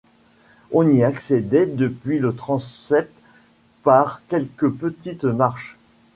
On y accédait depuis le transept par quelques petites marches.